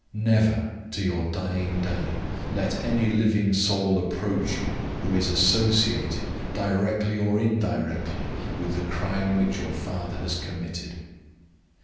Never, to your dying day, let any living soul approach you who is associated, directly or indirectly, with the crime which your father has committed.